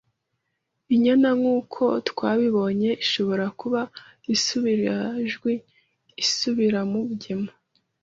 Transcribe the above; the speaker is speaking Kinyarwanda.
Injyana nk’uko twabibonye ishobora kuba isubirajwi/isubiramugemo